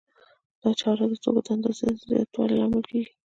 دا چاره د توکو د اندازې د زیاتوالي لامل کېږي